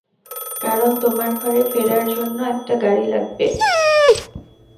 কারণ তোমার ঘরে ফেরার জন্য একটা গাড়ি লাগবে।